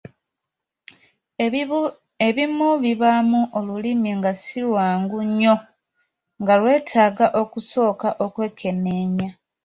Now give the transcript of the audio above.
Ebimu bibaamu olulimi nga si lwangu nnyo nga lwetaaga okusooka okwekenneenya.